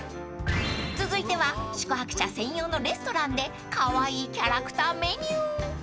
［続いては宿泊者専用のレストランでカワイイキャラクターメニュー］